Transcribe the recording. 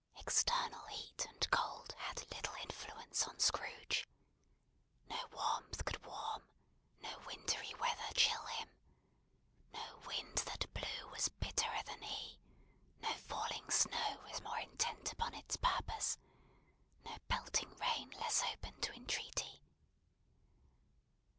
External heat and cold had little influence on Scrooge. No warmth could warm, no wintry weather chill him. No wind that blew was bitterer than he, no falling snow was more intent upon its purpose, no pelting rain less open to entreaty.